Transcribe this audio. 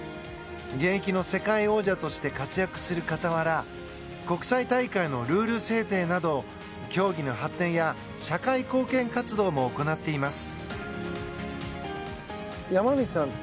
現役の世界王者として活躍する傍ら国際大会のルール制定など競技の発展や社会貢献活動も行っています。